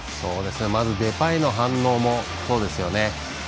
デパイの反応もそうですよね。